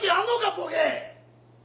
ボケ！